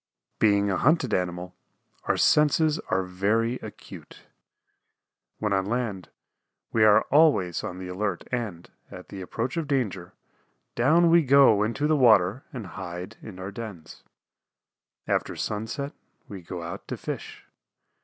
Being a hunted animal our senses are very acute. When on land we are always on the alert and, at the approach of danger, down we go into the water and hide in our dens. After sunset we go out to fish.